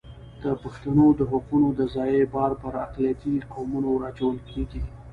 د پښتنو د حقونو د ضیاع بار پر اقلیتي قومونو ور اچول کېږي.